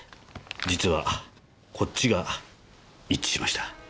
実はこっちが一致しました。